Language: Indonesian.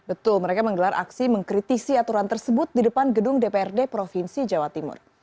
betul mereka menggelar aksi mengkritisi aturan tersebut di depan gedung dprd provinsi jawa timur